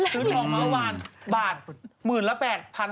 ซื้อทองเมื่อวานบาท๑๘๕๐๐สตางค์